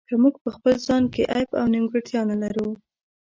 که موږ په خپل ځان کې عیب او نیمګړتیا نه لرو.